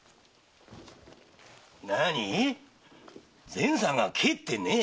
善さんが帰ってねえ？